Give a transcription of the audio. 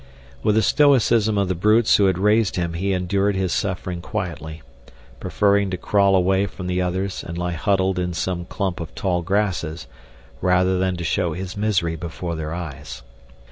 With the stoicism of the brutes who had raised him he endured his suffering quietly, preferring to crawl away from the others and lie huddled in some clump of tall grasses rather than to show his misery before their eyes.